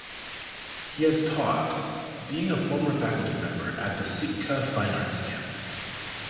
He has taught, being a former faculty member at the Sitka Fine Arts Camp.